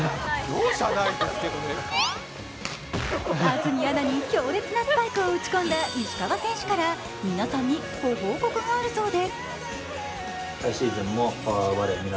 安住アナに強烈なスパイクを打ち込んだ石川選手から皆さんにご報告があるそうです。